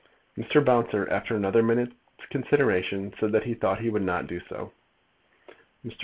Mr. Bouncer, after another minute's consideration, said that he thought he would not do so. "Mr.